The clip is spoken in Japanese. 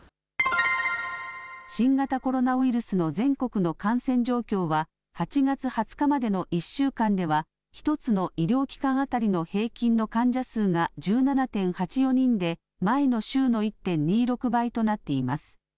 新型コロナウイルスの全国の感染状況は８月２０日までの１週間では１つの医療機関当たりの平均の患者数が１７．８４人で前の週の１．２６倍となっています。